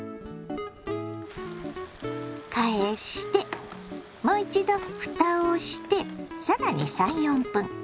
返してもう一度ふたをして更に３４分。